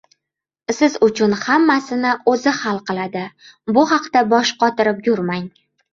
siz uchun ham hammasini o‘zi hal qiladi, bu haqda bosh qotirib yurmang…